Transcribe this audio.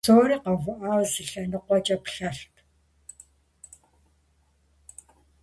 Псори къэувыӀауэ зы лъэныкъуэкӀэ плъэрт.